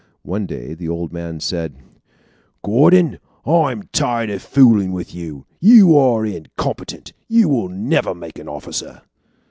One day, the old man said, "Gordon, I am tired of fooling with you. You are incompetent; you will never make an officer."